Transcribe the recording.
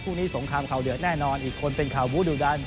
คู่นี้สงครามข่าวเดือดแน่นอนอีกคนเป็นข่าวบู้ดุดัน